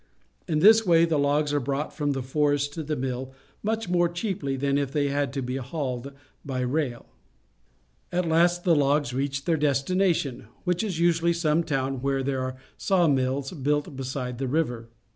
In this way the logs are brought from the forest to 18 PUBLIC SCHOOL GEOGRAPHY the mill much more cheaply than if they had to be hauled by rail. At last the logs reach their destination, which is usually some town where there are saw mills built beside the river.